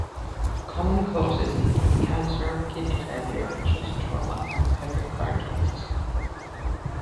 Common causes include cancer, kidney failure, chest trauma, and pericarditis.